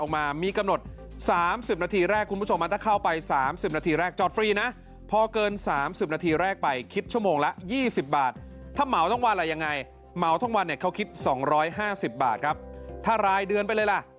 มาฟังกันในเช้านี้ต้องรู้